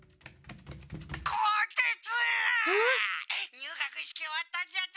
入学式終わったんじゃて？